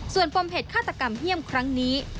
ส่วนปมเหตุฆาตกรรมเยี่ยมครั้งนี้